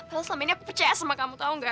lalu selama ini aku percaya sama kamu tau gak